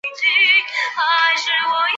成虫主要寄生在山羊和绵羊的真胃。